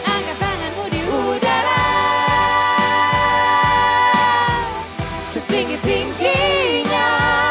angkat tanganmu di udara setinggi tingginya